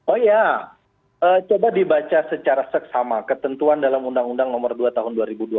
oh ya coba dibaca secara seksama ketentuan dalam undang undang nomor dua tahun dua ribu dua puluh